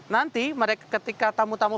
nanti ketika tamu tamu